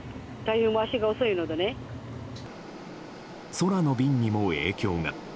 空の便にも影響が。